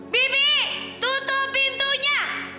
bibi tutup pintunya